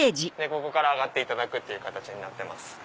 ここから上がっていただく形になってます。